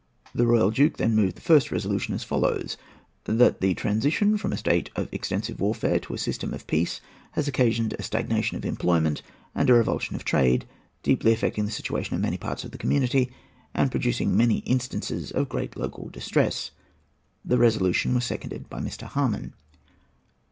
The royal Duke then moved the first resolution, as follows:—"That the transition from a state of extensive warfare to a system of peace has occasioned a stagnation of employment and a revulsion of trade, deeply affecting the situation of many parts of the community, and producing many instances of great local distress." The resolution was seconded by Mr. Harman.